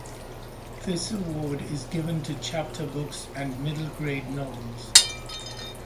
This award is given to chapter books and middle grade novels.